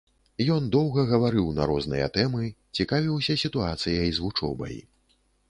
Ён доўга гаварыў на розныя тэмы, цікавіўся сітуацыяй з вучобай.